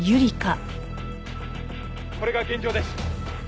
「これが現状です」